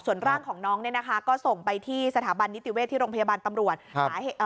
ส่วนร่างของน้องก็ส่งไปสถาบันนิติเวทที่โรงพยาบาลตำรวจ